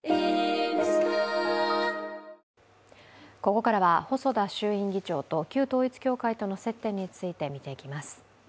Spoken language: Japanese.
ここからは細田衆院議長と旧統一教会との接点について見ていきます。